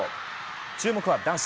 注目は男子。